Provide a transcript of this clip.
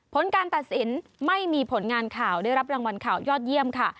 ผลการตัดสินไม่มีผลงานข่าวได้รับรางวัลข่าวยอดเยี่ยมค่ะ